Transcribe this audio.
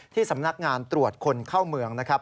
สำนักงานตรวจคนเข้าเมืองนะครับ